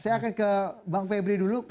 saya akan ke bang febri dulu